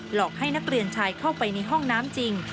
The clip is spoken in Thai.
หลอกให้นักเรียนชายเข้าไปในห้องน้ำจริง